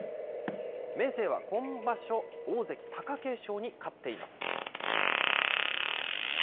明生は今場所、大関・貴景勝に勝っています。